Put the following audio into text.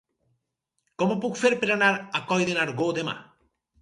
Com ho puc fer per anar a Coll de Nargó demà?